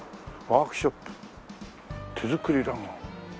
「ワークショップ手作りラグ」